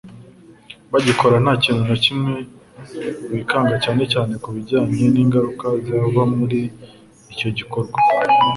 bagikora nta kintu na kimwe bikanga cyane cyane ku bijyanye n’ingaruka zava muri icyo gikorwa